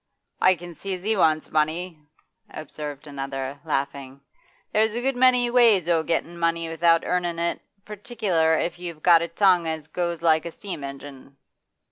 'I can see as he wants money,' observed another, laughing. 'There's a good many ways o' gettin' money without earnin' it, particular if you've got a tongue as goes like a steam engine.